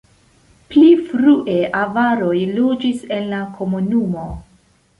Pli frue avaroj loĝis en la komunumo.